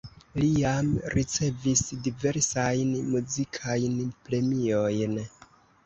Li jam ricevis diversajn muzikajn premiojn.